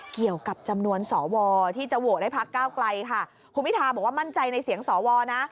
เกี่ยวกับจำนวนสวที่จะโหวตให้พักเก้าไกลค่ะคุณพิทาบอกว่ามั่นใจในเสียงสวนะ